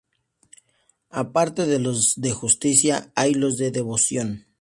Aparte de los de Justicia hay los de Devoción.